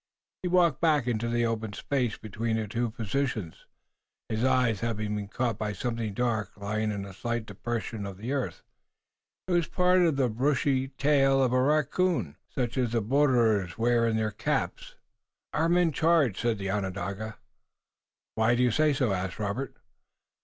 He walked back into the open space between the two positions, his eye having been caught by something dark lying in a slight depression of the earth. It was part of the brushy tail of a raccoon, such as the borderers wore in their caps. "Our men charged," said the Onondaga. "Why do you say so?" asked Robert.